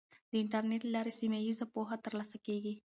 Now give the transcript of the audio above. د انټرنیټ له لارې سیمه ییزه پوهه ترلاسه کیږي.